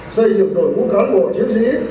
xây dựng đội vũ cán bộ chiến sĩ